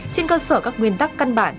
trên cơ sở các nguyên tắc căn bản